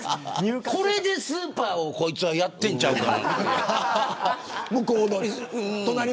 これでスーパーを、こいつはやってるんちゃうかな。